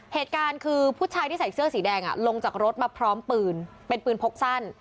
เหตุการณ์คือผู้ชายที่ใส่เสื้อสีแดงลงจากรถมาพร้อมปืนเป็นปืนพกสั้น